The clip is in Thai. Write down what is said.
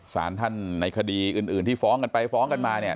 สารท่านในคดีอื่นที่ฟ้องกันไปฟ้องกันมาเนี่ย